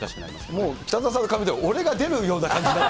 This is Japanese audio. もう北澤さんの顔見たら、俺が出るような感じに。